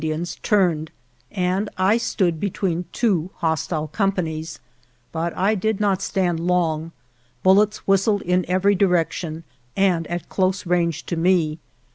62 I UNDER DIFFICULTIES turned, and I stood between two hostile com panies, but I did not stand long. Bullets whistled in every direction and at close range to me.